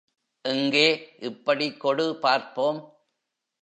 எங்கே இப்படிக் கொடு பார்ப்போம்.